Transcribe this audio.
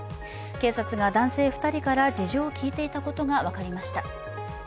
警察が男性２人から事情を聴いていたことが分かりました。